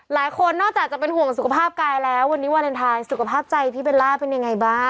หลายคนนอกจากจะเป็นห่วงสุขภาพกายแล้ววันนี้วาเลนไทยสุขภาพใจพี่เบลล่าเป็นยังไงบ้าง